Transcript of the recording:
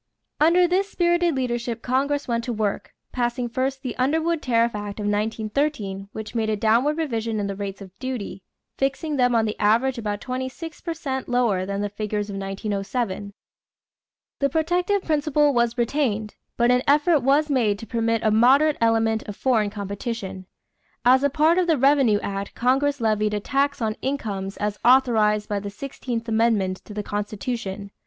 = Under this spirited leadership Congress went to work, passing first the Underwood tariff act of 1913, which made a downward revision in the rates of duty, fixing them on the average about twenty six per cent lower than the figures of 1907. The protective principle was retained, but an effort was made to permit a moderate element of foreign competition. As a part of the revenue act Congress levied a tax on incomes as authorized by the sixteenth amendment to the Constitution.